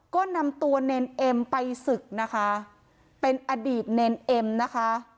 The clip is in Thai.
ก็นำตัวเนรเอ็มไปศึกนะคะเป็นอดีตเนรเอ็มนะคะ